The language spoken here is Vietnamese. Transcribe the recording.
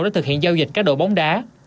để thực hiện giao dịch cá độ bóng đá